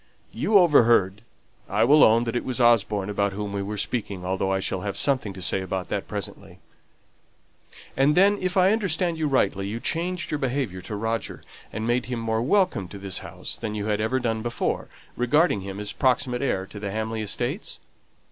You overheard, I will own that it was Osborne about whom we were speaking, though I shall have something to say about that presently and then, if I understand you rightly, you changed your behaviour to Roger, and made him more welcome to this house than you had ever done before, regarding him as proximate heir to the Hamley estates?"